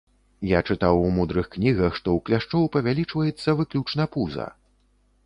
Я чытаў у мудрых кнігах, што ў кляшчоў павялічваецца выключна пуза.